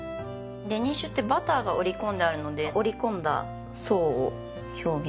デニッシュってバターが折り込んであるので折り込んだ層を表現してます。